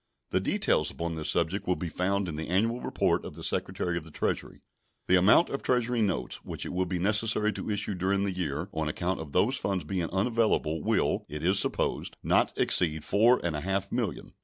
The details upon this subject will be found in the annual report of the Secretary of the Treasury. The amount of Treasury notes which it will be necessary to issue during the year on account of those funds being unavailable will, it is supposed, not exceed four and a half millions.